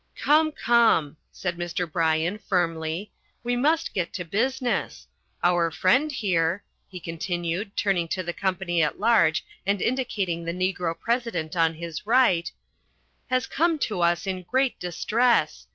"Come, come," said Mr. Bryan firmly, "we must get to business. Our friend here," he continued, turning to the company at large and indicating the Negro President on his right, "has come to us in great distress.